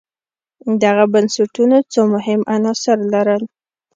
دغو بنسټونو څو مهم عناصر لرل.